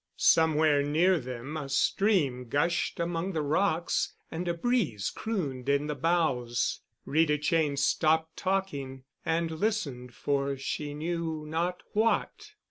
Somewhere near them a stream gushed among the rocks and a breeze crooned in the boughs. Rita Cheyne stopped talking and listened for she knew not what.